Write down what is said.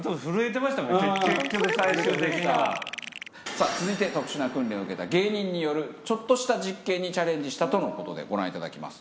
結局最終的にはプルプルしてたさあ続いて特殊な訓練を受けた芸人によるちょっとした実験にチャレンジしたとのことでご覧いただきます